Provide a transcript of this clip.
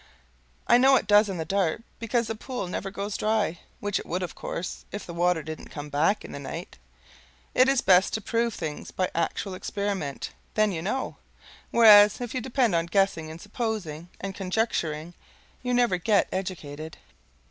I know it does in the dark, because the pool never goes dry, which it would, of course, if the water didn't come back in the night. It is best to prove things by actual experiment; then you KNOW; whereas if you depend on guessing and supposing and conjecturing, you never get educated.